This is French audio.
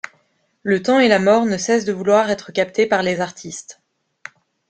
Le temps et la mort ne cessent de vouloir être captés par les artistes.